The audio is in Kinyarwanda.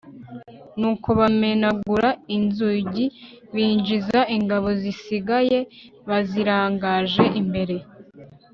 nuko bamenagura inzugi, binjiza ingabo zisigaye bazirangaje imbere